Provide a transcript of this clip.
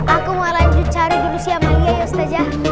aku mau lanjut cari duduk si amalia ya ustadzah